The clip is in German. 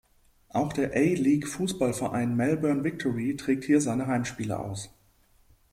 Auch der A-League-Fußballverein Melbourne Victory trägt hier seine Heimspiele aus.